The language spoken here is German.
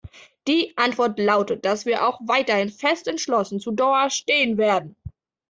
Die Antwort lautet, dass wir auch weiterhin fest und entschlossen zu Doha stehen werden.